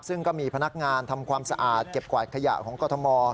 ซึ่งก็มีพนักงานทำความสะอาดเก็บกวาดขยะของกรทม